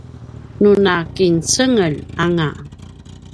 nu nakincengeljanga